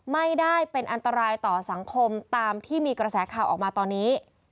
ไม่ได้เป็นอันตรายต่อสังคมตามที่มีกระแสข่าวออกมาตอนนี้